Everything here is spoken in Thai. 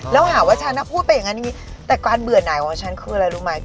แล้วหาว่าฉันอ่ะพูดไปอย่างงี้แต่การเบื่อหน่ายของฉันคืออะไรรู้ไหม